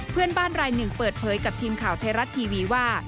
เพื่อนบ้านรายหนึ่งเปิดเผยกับทีมข่าวไทยรัฐทีวีว่า